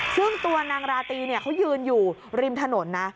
ซึ่งตัวนางราตรีเขายืนอยู่ริมถนนนะ